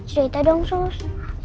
cerita dong sus